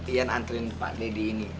iyan anturin pak deddy ini